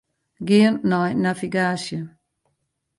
Gean nei navigaasje.